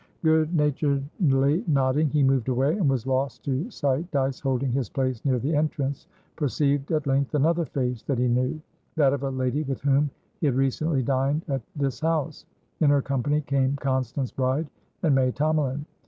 Good naturedly nodding, he moved away, and was lost to sight. Dyce, holding his place near the entrance, perceived at length another face that he knewthat of a lady with whom he had recently dined at this house; in her company came Constance Bride and May Tomalin.